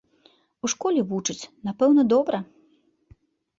У школе вучаць, напэўна, добра?